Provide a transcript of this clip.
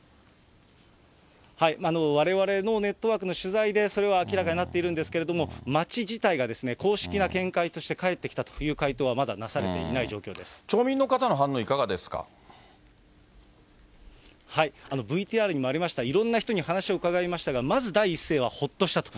われわれのネットワークの取材でそれは明らかになっているんですけれども、町自体が公式な見解として返ってきたという回答はまだなされてい町民の方の反応、いかがですＶＴＲにもありました、いろんな人に話をうかがいましたが、まず第一声はほっとしたと。